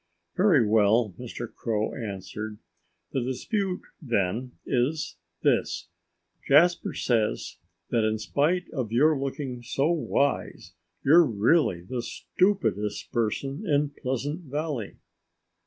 "Very Well," Mr. Crow answered. "The dispute, then, is this: Jasper says that in spite of your looking so wise, you're really the stupidest person in Pleasant Valley."